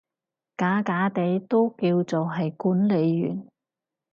假假地都叫做係管理員